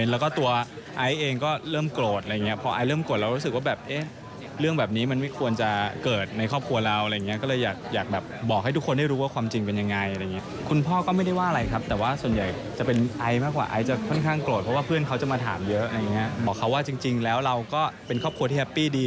แล้วเราก็เป็นครอบครัวที่แฮปปี้ดี